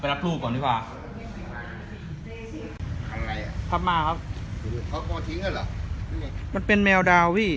ไปรับรูปก่อนดีกว่าอะไรอ่ะพับมาครับมันเป็นแมวดาวพี่